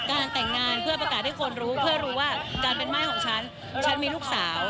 การแต่งงานเพื่อประกาศให้คนรู้เพื่อรู้ว่าการเป็นม่ายของฉันฉันมีลูกสาว